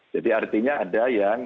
jadi artinya ada yang